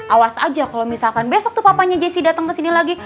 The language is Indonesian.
awas aja kalo misalkan besok tuh papanya jesse dateng kesini lagi